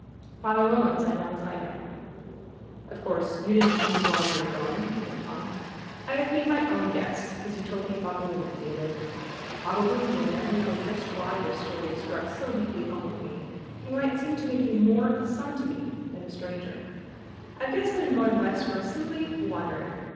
Father Roland sat down beside him. "Of course you didn't tell me why you were going," he went on. "I have made my own guess since you told me about the woman, David. Probably you will never know just why your story has struck so deeply home with me and why it seemed to make you more a son to me than a stranger. I have guessed that in going west you are simply wandering.